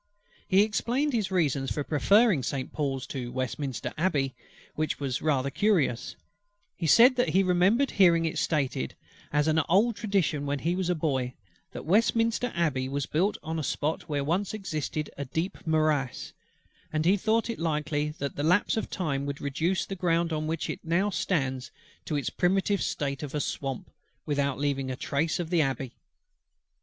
He explained his reasons for preferring Saint Paul's to Westminster Abbey, which were rather curious: he said that he remembered hearing it stated as an old tradition when he was a boy, that Westminster Abbey was built on a spot where once existed a deep morass; and he thought it likely that the lapse of time would reduce the ground on which it now stands to its primitive state of a swamp, without leaving a trace of the Abbey.